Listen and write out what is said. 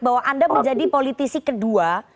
bahwa anda menjadi politisi kedua